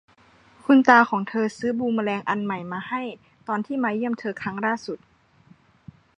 คุณตาของเธอซื้อบูมเมอแรงอันใหม่มาให้ตอนที่มาเยี่ยมเธอครั้งล่าสุด